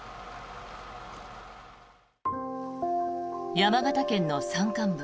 山形県の山間部